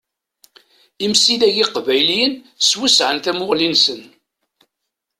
Imsidag iqbayliyen swesɛen tamuɣli-nsen.